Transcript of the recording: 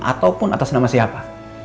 ataupun atas nama siapa